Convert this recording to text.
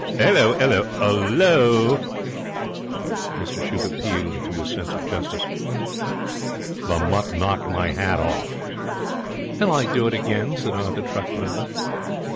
'Ullo, 'ullo, 'ul lo!' Mr Shute appealed to his sense of justice. 'The mutt knocked me hat off.' 'And I'd do it again,' said Arthur, truculently.